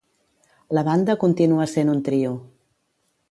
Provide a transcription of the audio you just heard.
La banda continua sent un trio.